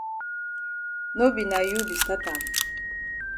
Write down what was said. No be na you be stat am.